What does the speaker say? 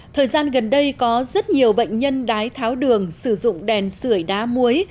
thời gian gần đây có rất nhiều bệnh nhân đái tháo đường sử dụng đèn sửa đá muối